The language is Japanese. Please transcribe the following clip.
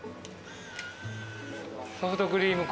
ソフトクリーム